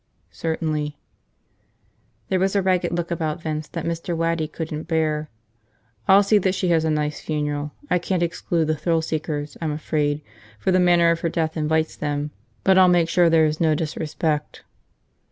"Certainly." There was a ragged look about Vince that Mr. Waddy couldn't bear. "I'll see that she has a nice funeral. I can't exclude the thrill seekers, I'm afraid, for the manner of her death invites them, but I'll make sure that there is no disrespect.